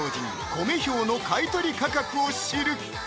コメ兵の買取価格を知る！